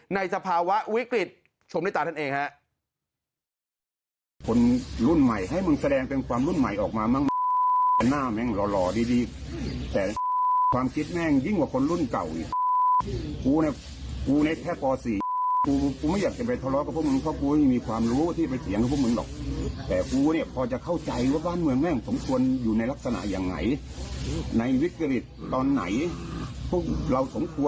ในสภาวะวิกฤตชมได้ตามท่านเองฮะ